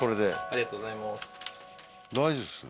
ありがとうございます。